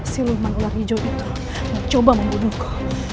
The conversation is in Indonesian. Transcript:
si luman ular hijau itu mencoba membunuhku